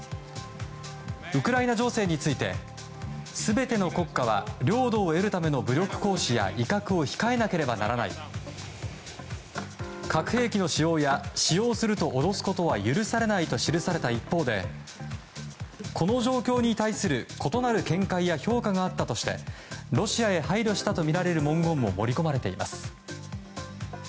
ウクライナ情勢について全ての国家は、領土を得るための武力行使や威嚇を控えなければならない核兵器の使用や、使用すると脅すことは許されないと記された一方でこの状況に対する異なる見解や評価があったとしてロシアへ配慮したとみられる文言も盛り込まれています。